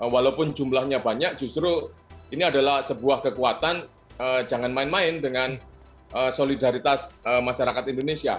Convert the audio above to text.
walaupun jumlahnya banyak justru ini adalah sebuah kekuatan jangan main main dengan solidaritas masyarakat indonesia